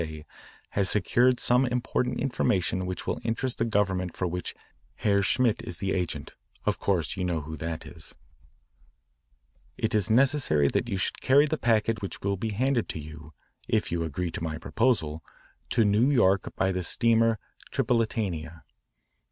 A., has secured some important information which will interest the Government for which Herr Schmidt is the agent of course you know who that is. It is necessary that you should carry the packet which will be handed to you (if you agree to my proposal) to New York by the steamer Tripolitania.